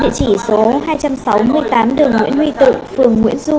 địa chỉ số hai trăm sáu mươi tám đường nguyễn huy tự phường nguyễn du